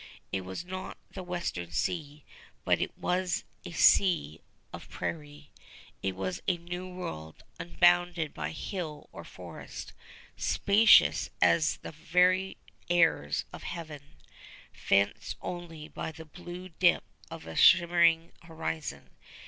It was not the Western Sea, but it was a Sea of Prairie. It was a New World, unbounded by hill or forest, spacious as the very airs of heaven, fenced only by the blue dip of a shimmering horizon.